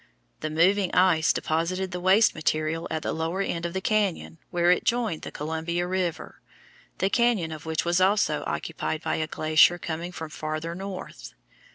The moving ice deposited the waste material at the lower end of the cañon, where it joined the Columbia River, the cañon of which was also occupied by a glacier coming from farther north.